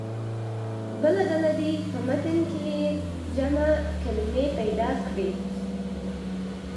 بله ډله دې په متن کې جمع کلمې پیدا کړي.